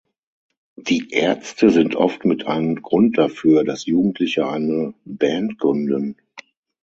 Die Ärzte sind oft mit ein Grund dafür, dass Jugendliche eine Band gründen.